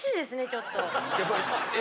やっぱり。